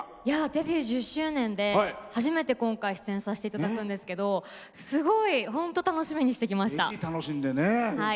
デビュー１０周年で初めて今回出演させていただくんですけどすごい本当、楽しみにしてました。